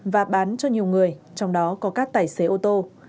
và bán cho nhiều người trong đó có các tài xế ô tô